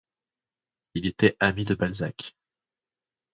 Il était ami de Balzac.